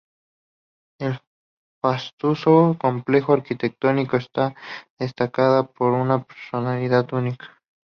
El fastuoso complejo arquitectónico está destacada por una personalidad única.